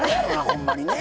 ほんまにね。